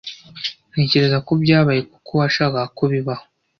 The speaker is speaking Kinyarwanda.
Ntekereza ko byabaye kuko washakaga ko bibaho.